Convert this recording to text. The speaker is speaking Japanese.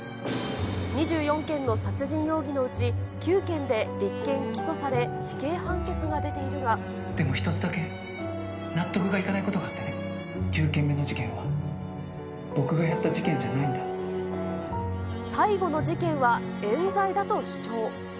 ２４件の殺人容疑のうち９件で立件・起訴され、死刑判決が出ていでも１つだけ、納得がいかないことがあってね、９件目の事件は、僕がやった事件最後の事件はえん罪だと主張。